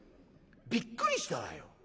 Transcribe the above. びっくりしたわよ。